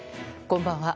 こんばんは。